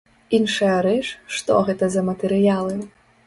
Іншая рэч, што гэта за матэрыялы.